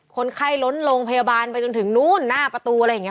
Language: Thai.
คนไข้ล้นโรงพยาบาลไปจนถึงนู้นหน้าประตูอะไรอย่างนี้